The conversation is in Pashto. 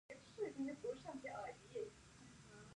مغولو هم خپلو درباریانو ته مېلمستیاوې ورکولې.